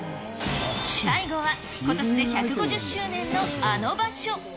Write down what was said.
最後はことしで１５０周年のあの場所。